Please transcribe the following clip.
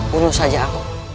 bunuh saja aku